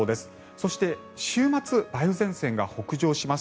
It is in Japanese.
そして週末梅雨前線が北上します。